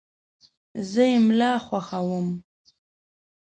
زه املا خوښوم.